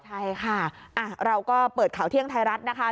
ใช่ค่ะเราก็เปิดข่าวเที่ยงไทยรัฐนะคะ